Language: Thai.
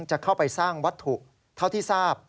จะเข้าไปสร้างวัตถุเท่าที่ทราบ